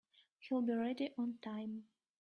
He'll be ready on time.